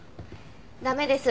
駄目です。